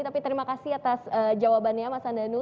tapi terima kasih atas jawabannya mas andanu